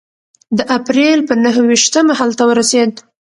د اپرېل په نهه ویشتمه هلته ورسېد.